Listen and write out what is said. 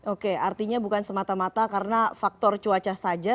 oke artinya bukan semata mata karena faktor cuaca saja